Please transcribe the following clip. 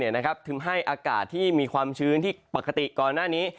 ทำให้อากาศที่มีความชื้นที่ปกติก่อนหน้านี้